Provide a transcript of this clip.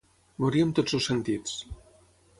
Morir amb tots els sentits.